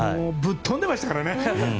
ぶっ飛んでましたからね！